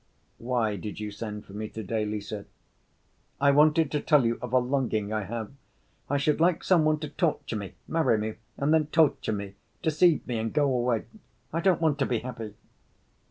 "Why did you send for me to‐day, Lise?" "I wanted to tell you of a longing I have. I should like some one to torture me, marry me and then torture me, deceive me and go away. I don't want to be happy."